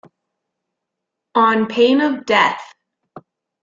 On pain of death.